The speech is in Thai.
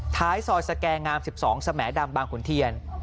ท้ายซอยสแกงาม๑๒สมดำบางขุนเทียน